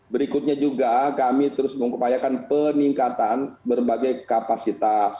berikutnya juga kami terus mengupayakan peningkatan berbagai kapasitas